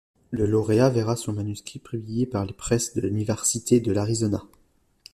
Le lauréat verra son manuscrit publié par les presses de l'Université de l'Arizona.